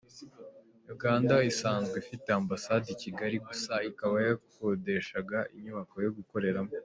Uganda isanzwe ifite Ambasade i Kigali gusa ikaba yakodeshaga inyubako yo gukoreramo.